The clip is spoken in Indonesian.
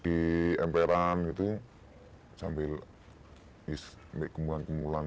di emperan itu sambil is ambil gemulan gemulan